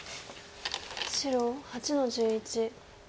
白８の十一。